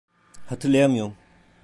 Hatırlayamıyorum.